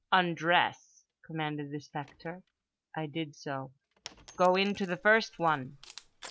"Undress" commanded the spectre. I did so. "Go into the first one."